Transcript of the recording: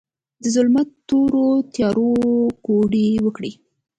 د ظلمت تورو تیارو، کوډې وکړې